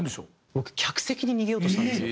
僕客席に逃げようとしたんですよ。